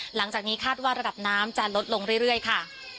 หลังจากนี้คาดว่าระดับน้ำจะลดลงเรื่อยค่ะ